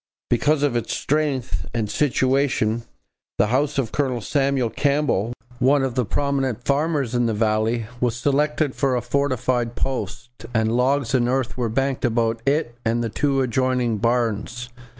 Because of its strength and situation, the house of Colonel Samuel Campbell, one of the prominent farmers in the valley, was selected for a fortified post, and logs and earth were banked about it and the two adjoining barns.